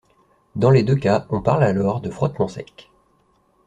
Dans les deux cas on parle alors de frottement sec.